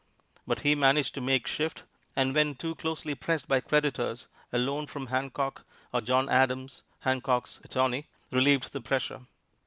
But he managed to make shift; and when too closely pressed by creditors, a loan from Hancock, or John Adams, Hancock's attorney, relieved the pressure.